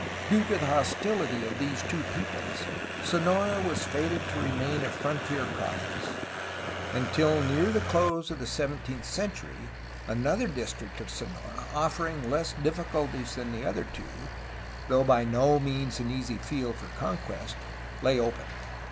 Due to the hostility of these two peoples, Sonora was fated to remain a frontier province. Until near the close of the seventeenth century another district of Sonora, offering less difficulties than the other two, though by no means an easy field for conquest, lay open.